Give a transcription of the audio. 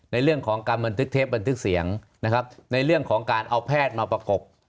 ในเรื่องของการบันทึกเทปบันทึกเสียงนะครับในเรื่องของการเอาแพทย์มาประกบ